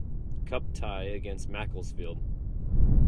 Cup tie against Macclesfield.